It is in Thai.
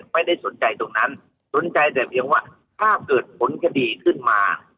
ไม่ได้สนใจตรงนั้นสนใจแต่เพียงว่าถ้าเกิดผลคดีขึ้นมา